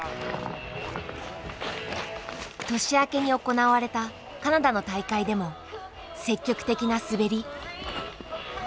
年明けに行われたカナダの大会でも積極的な滑り。